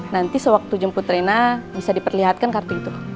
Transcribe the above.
nanti sewaktu jemput rena bisa diperlihatkan kartu itu